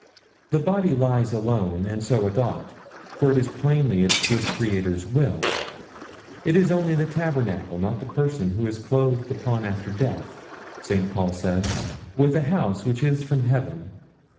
The body lies alone, and so it ought, for it is plainly its good Creator's will; it is only the tabernacle, not the person, who is clothed upon after death, Saint Paul says, "with a house which is from heaven."